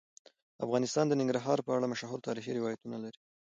افغانستان د ننګرهار په اړه مشهور تاریخی روایتونه لري.